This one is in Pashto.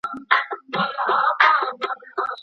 افغانستان به په روغتیا کي په ځان بسیا سي؟